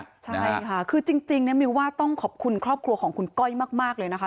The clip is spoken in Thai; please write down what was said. ใช่ค่ะคือจริงเนี่ยมิวว่าต้องขอบคุณครอบครัวของคุณก้อยมากเลยนะคะ